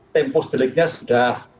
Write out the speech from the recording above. tempus deliknya sudah